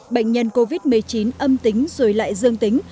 bệnh nhân covid một mươi chín âm tính rồi lại dương tính